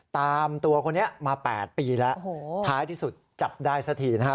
ตามตัวคนนี้มา๘ปีแล้วท้ายที่สุดจับได้สักทีนะฮะ